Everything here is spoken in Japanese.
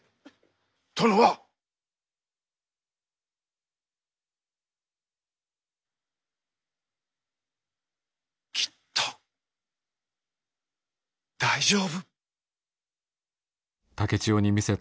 殿はきっと大丈夫。